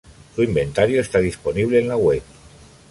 Su inventario está disponible en la web.